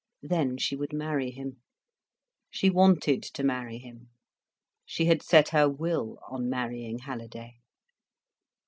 Then she would marry him. She wanted to marry him. She had set her will on marrying Halliday.